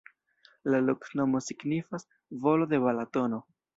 La loknomo signifas: volo de Balatono.